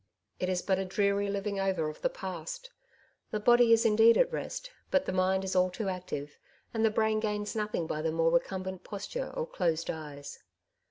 It is but a dreary living over of the past. The body is indeed at rest, but the mind is all too active, and the brain gains nothing by the more recumbent posture or closed eyelids.